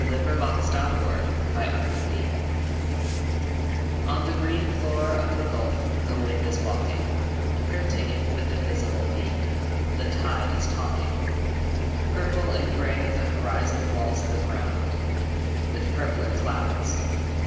NEED OF STORM (Naples on the Gulf) On the green floor of the Gulf the wind is walking, Printing it with invisible feet; The tide is talking. Purple and grey the horizon walls them round With purpler clouds.